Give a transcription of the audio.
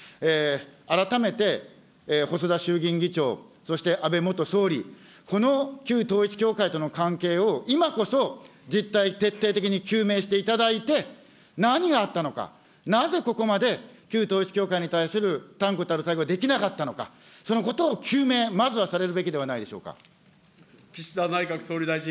改めて、細田衆議院議長、そして安倍元総理、この旧統一教会との関係を今こそ、実態、徹底的に究明していただいて、何があったのか、なぜここまで旧統一教会に対する断固たる対応、できなかったのか、そのことを究明、まずはされるべきではないでしょうか。